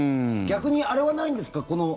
逆にあれはないんですか？